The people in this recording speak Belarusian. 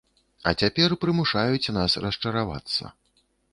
А цяпер прымушаюць нас расчаравацца.